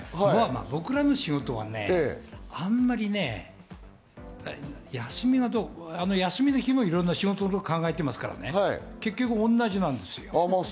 僕らの仕事はあんまり休みの日もいろんな事を考えてますからね、結局、同じなんですよ。